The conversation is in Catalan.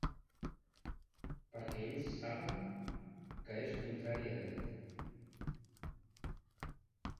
Perquè ells saben que és contrari a dret.